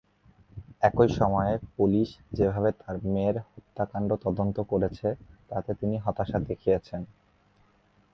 একই সময়ে, পুলিশ যেভাবে তার মেয়ের হত্যার তদন্ত করেছে তাতে তিনি হতাশা দেখিয়েছেন।